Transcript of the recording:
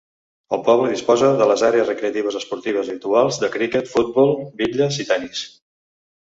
El poble disposa de les àrees recreatives esportives habituals de criquet, futbol, bitlles i tennis.